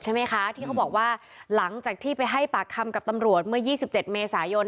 ใช่ไหมคะที่เขาบอกว่าหลังจากที่ไปให้ปากคำกับตำรวจเมื่อ๒๗เมษายน